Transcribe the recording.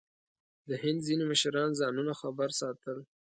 د هند ځینې مشران ځانونه خبر ساتل.